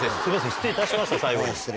失礼いたしました。